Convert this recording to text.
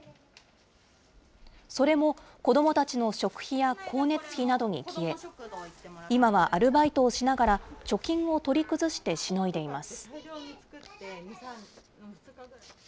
それも子どもたちの食費や光熱費などに消え、今はアルバイトをしながら貯金を取り崩してしのいでいます。